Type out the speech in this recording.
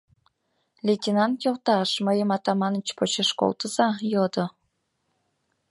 — Лейтенант йолташ, мыйым Атаманыч почеш колтыза, — йодо.